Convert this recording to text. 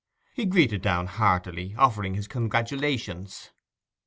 He greeted Downe heartily, offering his congratulations.